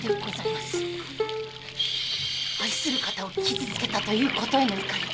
愛する方を傷つけたということへの怒り。